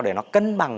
để nó cân bằng